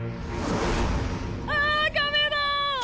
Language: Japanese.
あぁカメだ！